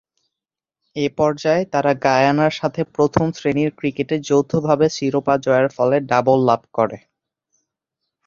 এ পর্যায়ে তারা গায়ানার সাথে প্রথম-শ্রেণীর ক্রিকেটে যৌথভাবে শিরোপা জয়ের ফলে ডাবল লাভ করে।